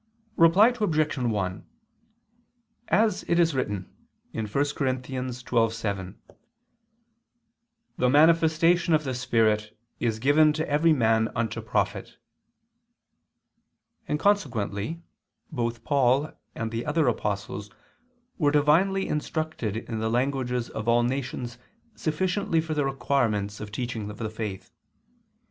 Reply Obj. 1: As it is written (1 Cor. 12:7), "the manifestation of the Spirit is given to every man unto profit"; and consequently both Paul and the other apostles were divinely instructed in the languages of all nations sufficiently for the requirements of the teaching of the faith.